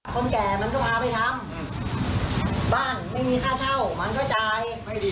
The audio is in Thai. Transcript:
คนแก่มันก็พาไปทำบ้านไม่มีค่าเช่ามันก็จ่าย